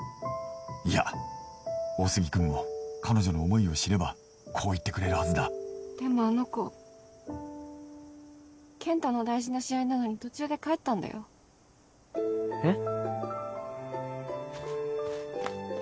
いや大杉君も彼女の思いを知ればこう言ってくれるはずだでもあの子健太の大事な試合なのに途中で帰ったんだよえっ？